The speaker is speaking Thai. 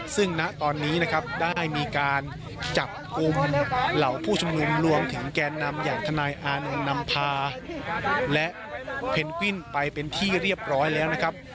ซึ่งณตอนนี้นะครับได้มีการจับกลุ่มเหล่าผู้ชุมนุมรวมถึงแกนนำอย่างทนายอานนท์นำพาและเพนกวินไปเป็นที่เรียบร้อยแล้วนะครับ